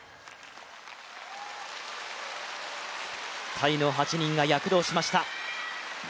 タイの８人が躍動しました。